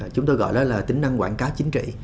chúng tôi gọi đó là tính năng quảng cáo chính trị